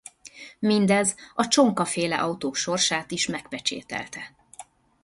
Mindez a Csonka-féle autók sorsát is megpecsételte.